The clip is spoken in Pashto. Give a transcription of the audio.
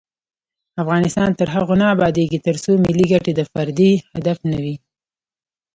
افغانستان تر هغو نه ابادیږي، ترڅو ملي ګټې د فردي هدف نه وي.